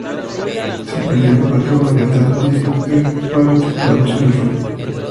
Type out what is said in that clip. Se perdieron cuatro goletas y el buque faro tripulado "Channel Rock".